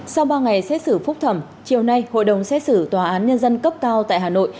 sau ba ngày xét xử phúc thẩm chiều nay hội đồng xét xử tòa án nhân dân cấp cao tại hà nội